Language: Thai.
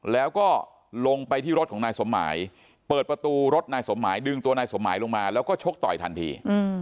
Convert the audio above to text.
แล้วก็ลงไปที่รถของนายสมหมายเปิดประตูรถนายสมหมายดึงตัวนายสมหมายลงมาแล้วก็ชกต่อยทันที